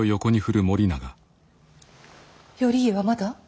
頼家はまだ？